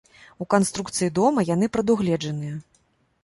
У канструкцыі дома яны прадугледжаныя.